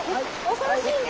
恐ろしいね！